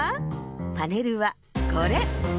パネルはこれ。